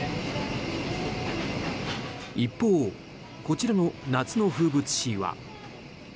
一方、こちらの夏の風物詩は。